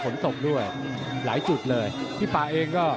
ฝนตกด้วยหลายจุดเลยพี่ป่าเองก็